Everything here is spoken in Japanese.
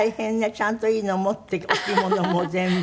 ちゃんといいの持ってお着物も全部。